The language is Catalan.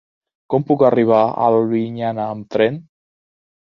Com puc arribar a Albinyana amb tren?